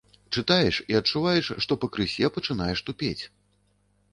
Чытаеш і адчуваеш, што пакрысе пачынаеш тупець.